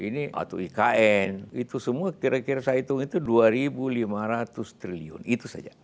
ini waktu ikn itu semua kira kira saya hitung itu dua lima ratus triliun itu saja